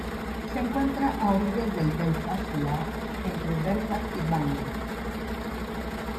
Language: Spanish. Se encuentra a orillas del Belfast Lough, entre Belfast y Bangor.